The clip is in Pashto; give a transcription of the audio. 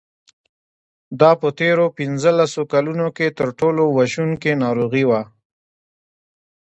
دا په تېرو پنځلسو کلونو کې تر ټولو وژونکې ناروغي وه.